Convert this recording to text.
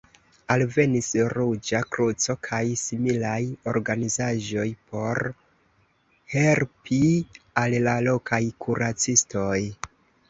Alvenis Ruĝa Kruco kaj similaj organizaĵoj por helpi al la lokaj kuracistoj.